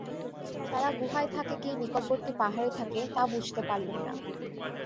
তারা গুহায় থাকে কি নিকটবর্তী পাহাড়ে থাকে, তা বুঝতে পারলুম না।